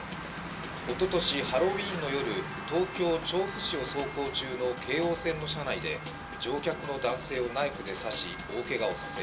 おととし、ハロウィーンの夜、東京・調布市を走行中の京王線の車内で乗客の男性をナイフで刺し大けがをさせ